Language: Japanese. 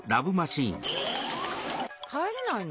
帰れないの？